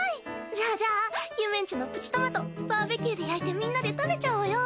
じゃあじゃあゆめんちのプチトマトバーベキューで焼いてみんなで食べちゃおうよ！